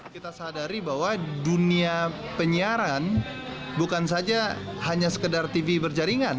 kita sadari bahwa dunia penyiaran bukan saja hanya sekedar tv berjaringan